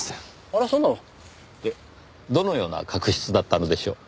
あらそうなの？でどのような確執だったのでしょう？